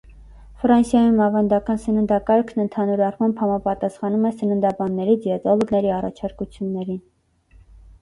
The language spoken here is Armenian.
Ֆրանսիայում ավանդական սննդակարգն ընդհանուր առմամբ համապատասխանում է սննդաբանների (դիետոլոգների) առաջարկություններին։